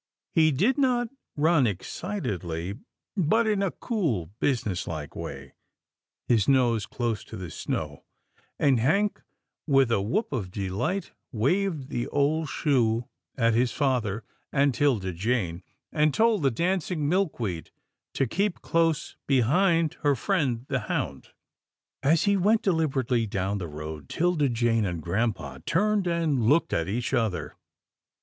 He did not run excitedly, but in a cool business like way, his nose close to the snow, and Hank with a whoop of delight waved the old shoe at his father and 'Tilda Jane, and told the dancing Milkweed to keep close behind her friend, the hound. As he went deliberately down the road, 'Tilda Jane and grampa turned and looked at each other.